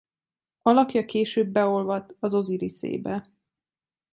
Alakja később beolvadt az Oziriszébe.